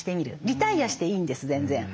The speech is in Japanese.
リタイアしていいんです全然。